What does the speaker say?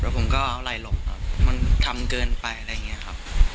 ผมก็เอาไหล่หลบครับมันทำเกินไปอะไรอย่างนี้ครับ